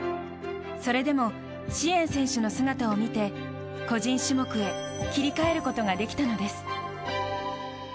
それでも、師円選手の姿を見て個人種目へ切り替えることができたのです。